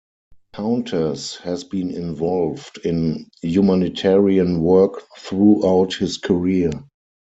Countess has been involved in humanitarian work throughout his career.